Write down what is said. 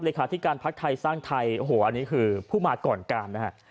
ที่การพักไทยสร้างไทยโอ้โหอันนี้คือผู้มาก่อนการนะฮะ